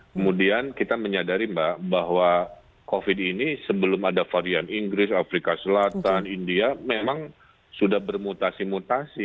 kemudian kita menyadari mbak bahwa covid ini sebelum ada varian inggris afrika selatan india memang sudah bermutasi mutasi